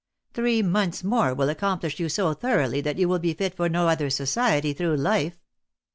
Three months more will ac complish you so thoroughly, that you will be fit for no other society through life.